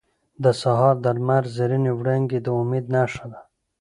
• د سهار د لمر زرینې وړانګې د امید نښه ده.